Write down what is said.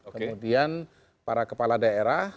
kemudian para kepala daerah